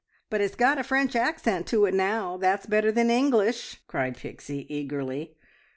"But it's got a French accent to it now that's better than English!" cried Pixie eagerly.